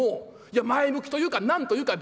いや前向きというか何と言うか。